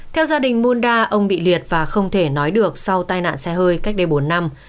theo gia đình monda ông bị liệt và không thể nói được sau tai nạn xe hơi cách đây bốn năm